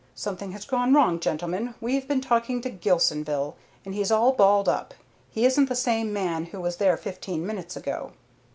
"Something has gone wrong, gentlemen. We've been talking to Gilsonville and he's all balled up. He isn't the same man who was there fifteen minutes ago."